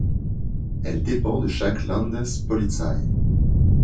Elle dépend de chaque Landespolizei.